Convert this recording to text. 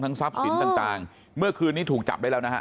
ทรัพย์สินต่างเมื่อคืนนี้ถูกจับได้แล้วนะฮะ